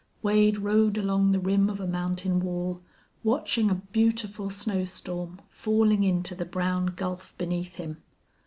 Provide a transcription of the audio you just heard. Wade rode along the rim of a mountain wall, watching a beautiful snow storm falling into the brown gulf beneath him.